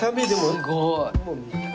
すごい。